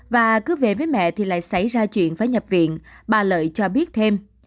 và cứ về với mẹ thì lại xảy ra chuyện phải nhập viện bà lợi cho biết thêm